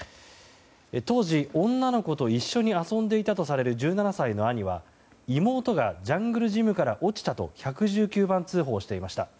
当時、女の子と一緒に遊んでいたとされる１７歳の兄は、妹がジャングルジムから落ちたと１１９番通報していました。